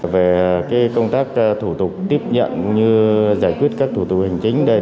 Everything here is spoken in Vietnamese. về công tác thủ tục tiếp nhận như giải quyết các thủ tục hành chính